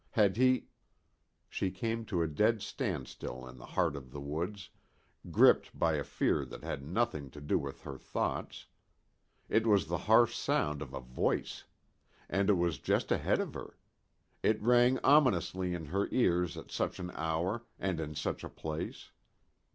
Had he She came to a dead standstill in the heart of the woods, gripped by a fear that had nothing to do with her thoughts. It was the harsh sound of a voice. And it was just ahead of her. It rang ominously in her ears at such an hour, and in such a place.